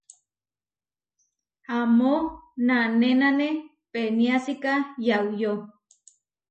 Amó nanénane peniásika yauyó.